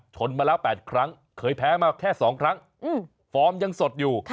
มาแล้ว๘ครั้งเคยแพ้มาแค่๒ครั้งฟอร์มยังสดอยู่